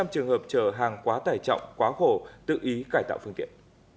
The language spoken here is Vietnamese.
chín trăm linh trường hợp chở hàng quá tải trọng quá khổ tự ý cải tạo phương tiện